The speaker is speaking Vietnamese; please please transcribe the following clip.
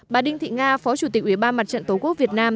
bà đinh thị nga phó chủ tịch ủy ban mặt trận tổ quốc việt nam